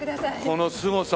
このすごさ。